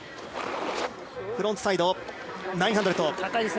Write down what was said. フロントサイド９００。